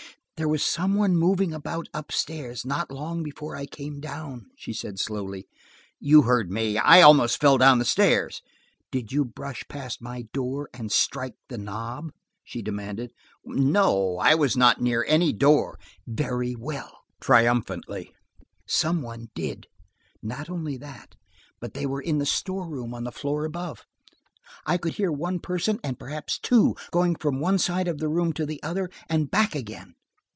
"There was some one moving about up stairs not long before I came down," she said slowly. "You heard me; I almost fell down the stairs." "Did you brush past my door, and strike the knob ?" she demanded. "No, I was not near any door." "Very well," triumphantly. "Some one did. Not only that, but they were in the store room on the floor above. I could hear one person and perhaps two, going from one side of the room to the other and back again."